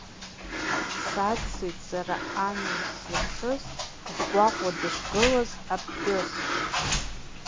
Саццеит сара амҩа исзыԥшыз, дгәаҟуа дышгылаз аԥҳәыс.